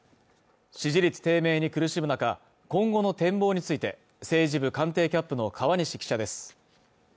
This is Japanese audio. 支持率低迷に苦しむ中今後の展望について政治部官邸キャップの川西記者です